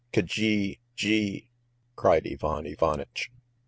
K gee gee!" cried Ivan Ivanitch.